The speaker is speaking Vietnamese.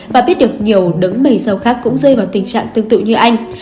và biết được nhiều đứng mầy sâu khác cũng rơi vào tình trạng tương tự như anh